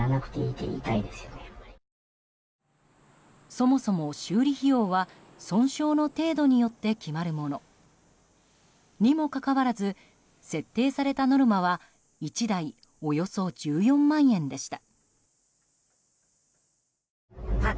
そもそも、修理費用は損傷の程度によって決まるもの。にもかかわらず設定されたノルマは１台およそ１４万円でした。